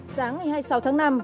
sáng ngày hai mươi sáu tháng năm